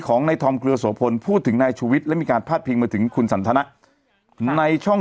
ของในทอมเกลือสโหพลพูดถึงในชฤษและมีการพัดพิงมาถึงคุณสรรถนะไว้ในช่อง